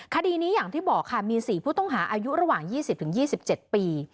คดีนี้อย่างที่บอกค่ะมี๔ผู้ต้องหาอายุระหว่าง๒๐๒๗ปี